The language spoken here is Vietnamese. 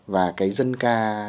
và cái dân ca